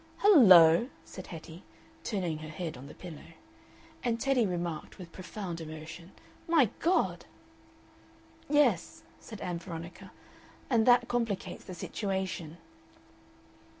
"Hul LO!" said Hetty, turning her head on the pillow; and Teddy remarked with profound emotion, "My God!" "Yes," said Ann Veronica, "and that complicates the situation."